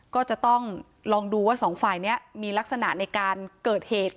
ก็จะต้องลองดูว่าสองฝ่ายนี้มีลักษณะในการเกิดเหตุ